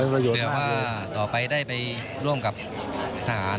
แปลว่าต่อไปได้ไปร่วมกับทหาร